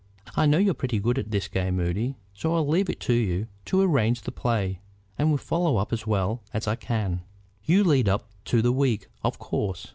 I know you're pretty good at this game, Moody, so I'll leave it to you to arrange the play, and will follow up as well as I can. You lead up to the weak, of course."